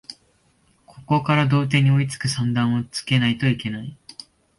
ここから同点に追いつく算段をつけないといけない